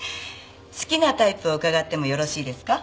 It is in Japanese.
好きなタイプを伺ってもよろしいですか？